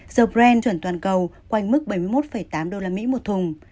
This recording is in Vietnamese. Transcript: dầu bren chuẩn toàn cầu quanh mức bảy mươi một tám usd một thùng